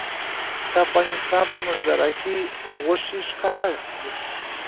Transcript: د افغانستان په منظره کې غوښې ښکاره ده.